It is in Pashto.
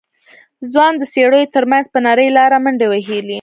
ځوان د څېړيو تر منځ په نرۍ لاره منډې وهلې.